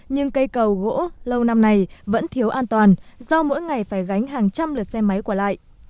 nhưng cây cầu gỗ lâu năm này vẫn thiếu an toàn do mỗi ngày phải gánh hàng trăm lượt xe máy qua lại